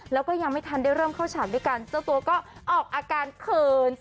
แล้วก็ยังไม่ทันได้เริ่มเข้าฉากด้วยกันเจ้าตัวก็ออกอาการเขิน